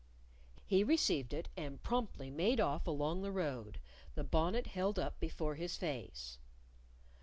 He received it; and promptly made off along the road, the bonnet held up before his face.